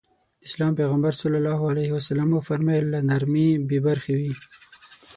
د اسلام پيغمبر ص وفرمايل له نرمي بې برخې وي.